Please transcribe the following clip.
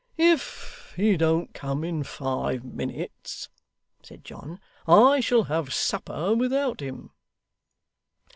'If he don't come in five minutes,' said John, 'I shall have supper without him.